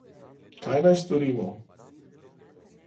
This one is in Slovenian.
Kaj naj storimo?